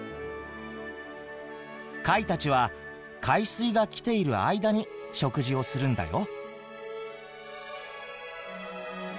貝たちは海水が来ている間に食事をするんだよ。